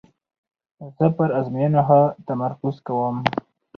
زه پر آزموینو ښه تمرکز کوم.